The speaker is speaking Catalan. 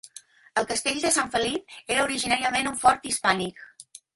El castell de Sant Felip era originàriament un fort hispànic.